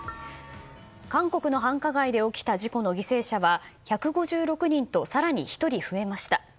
韓国の繁華街で起きた事故の犠牲者は１５６人と更に１人増えました。